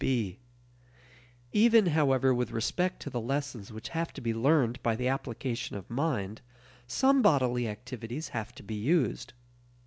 (b) Even, however, with respect to the lessons which have to be learned by the application of "mind," some bodily activities have to be used.